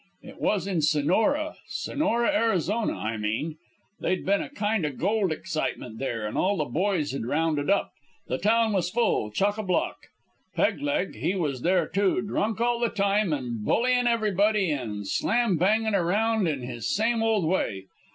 "It was in Sonora Sonora, Arizona, I mean. They'd a been a kind o' gold excitement there, and all the boys had rounded up. The town was full chock a block. Peg leg he was there too, drunk all the time an' bullyin' everybody, an' slambangin' around in his same old way.